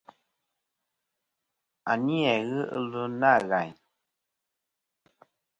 A ni-a ghɨ ɨlvɨ na.